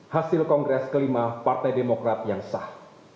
hasil kongres kelima partai demokrat yang sah